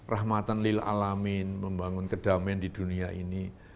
rahmatan lil'alamin membangun kedamaian di dunia ini